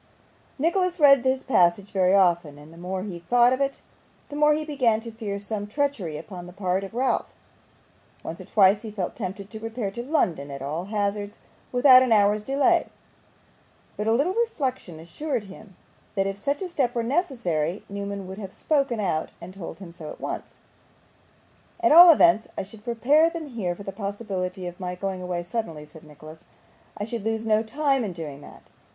Nicholas read this passage very often, and the more he thought of it the more he began to fear some treachery upon the part of Ralph. Once or twice he felt tempted to repair to London at all hazards without an hour's delay, but a little reflection assured him that if such a step were necessary, Newman would have spoken out and told him so at once. 'At all events I should prepare them here for the possibility of my going away suddenly,' said Nicholas; 'I should lose no time in doing that.